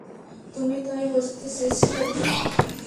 তুমি তাই বোঝাতে চেয়েছিলে।